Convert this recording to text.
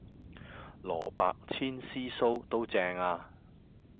蘿蔔千絲酥都正呀